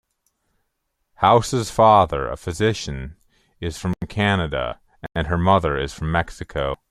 House's father, a physician, is from Canada and her mother is from Mexico.